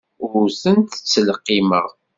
Ur tent-ttleqqimeɣ.